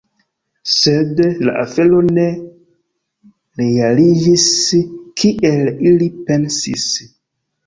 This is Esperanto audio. Sed, la afero ne realiĝis kiel ili pensis.